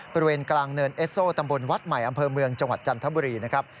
บริเวณกลางเนินเอสโซตำบลวัดใหม่อำเภอเมืองจังหวัดจันทบุรีนะครับ